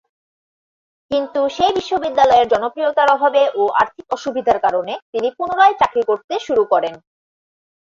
কিন্তু সেই বিদ্যালয়ের জনপ্রিয়তার অভাবে ও আর্থিক অসুবিধার কারণে তিনি পুনরায় চাকরি করতে শুরু করেন।